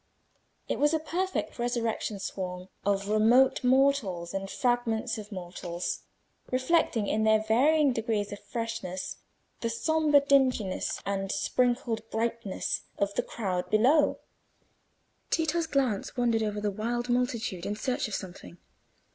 It was a perfect resurrection swarm of remote mortals and fragments of mortals, reflecting, in their varying degrees of freshness, the sombre dinginess and sprinkled brightness of the crowd below. Tito's glance wandered over the wild multitude in search of something.